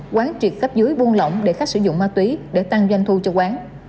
quán truyệt khắp dưới buôn lỏng để khách sử dụng ma túy để tăng doanh thu cho quán